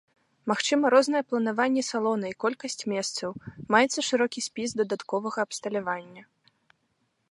Магчыма рознае планаванне салона і колькасць месцаў, маецца шырокі спіс дадатковага абсталявання.